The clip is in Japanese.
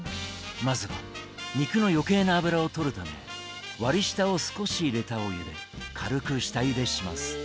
まずは肉の余計な脂をとるため割り下を少し入れたお湯で軽く下ゆでします。